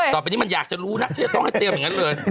ต่อไปนี้มันอยากจะรู้นะที่จะต้องให้เตรียมอย่างนั้นเลย